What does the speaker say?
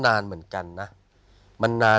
เก็บเงินซื้อพระองค์เนี่ยเก็บเงินซื้อพระองค์เนี่ย